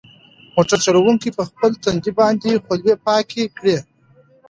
موټر چلونکي په خپل تندي باندې خولې پاکې کړې.